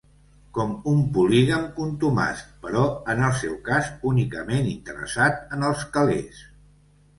Com un polígam contumaç, però en el seu cas únicament interessat en els calés.